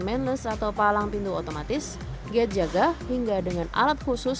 mainless atau palang pintu otomatis giat jaga hingga dengan alat khusus